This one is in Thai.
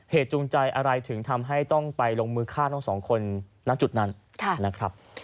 จูงใจอะไรถึงทำให้ต้องไปลงมือฆ่าทั้งสองคนณจุดนั้นนะครับ